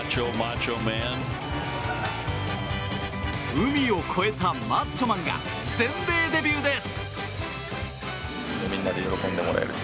海を越えたマッチョマンが全米デビューです！